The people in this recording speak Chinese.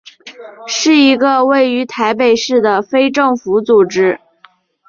是一个位于台北市的非政府组织。